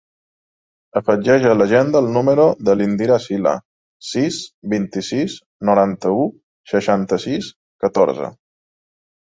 Afegeix a l'agenda el número de l'Indira Sylla: sis, vint-i-sis, noranta-u, seixanta-sis, catorze.